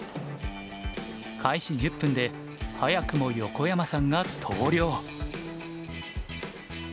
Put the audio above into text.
開始１０分で早くも横山さんが投了。